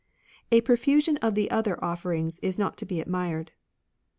a profusion of the other offerings is not to be admired."